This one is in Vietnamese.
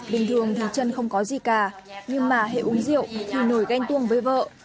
bình thường thì chân không có gì cả nhưng mà hệ uống rượu thì nổi ghen tuông với vợ